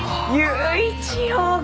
佑一郎君！